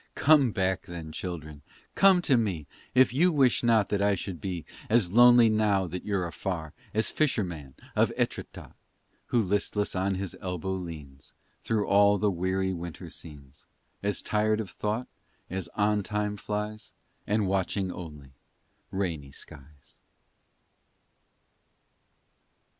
Come back then, children! come to me, If you wish not that I should be As lonely now that you're afar As fisherman of Etrétat, Who listless on his elbow leans Through all the weary winter scenes, As tired of thought as on Time flies And watching only rainy skies!